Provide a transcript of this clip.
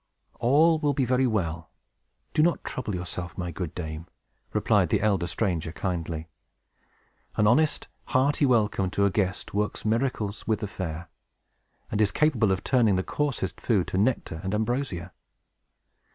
"All will be very well; do not trouble yourself, my good dame," replied the elder stranger, kindly. "An honest, hearty welcome to a guest works miracles with the fare, and is capable of turning the coarsest food to nectar and ambrosia."